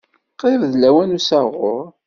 Qrib d lawan n usaɣur